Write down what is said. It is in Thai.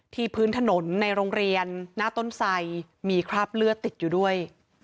พื้นถนนในโรงเรียนหน้าต้นไสมีคราบเลือดติดอยู่ด้วย